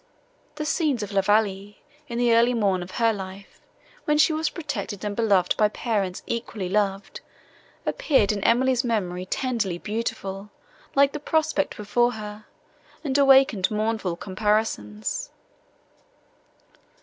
The scenes of La Vallée, in the early morn of her life, when she was protected and beloved by parents equally loved, appeared in Emily's memory tenderly beautiful, like the prospect before her, and awakened mournful comparisons.